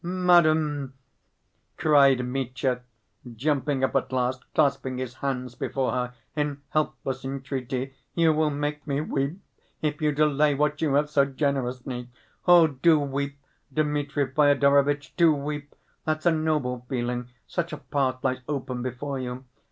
"Madam!" cried Mitya, jumping up at last, clasping his hands before her in helpless entreaty. "You will make me weep if you delay what you have so generously—" "Oh, do weep, Dmitri Fyodorovitch, do weep! That's a noble feeling ... such a path lies open before you!